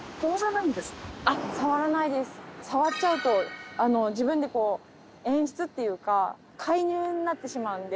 触っちゃうと自分でこう演出っていうか介入になってしまうので。